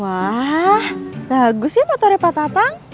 wah bagus ya motornya pak tatang